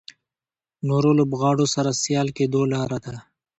نورو لوبغاړو سره سیال کېدو لاره ده.